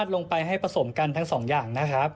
ลงไปให้ผสมกันทั้งสองอย่างนะครับ